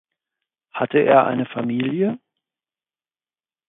Hatte er eine Familie?